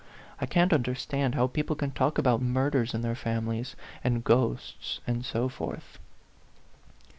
I can't understand how people can talk about murders in their families, and ghosts, and so forth."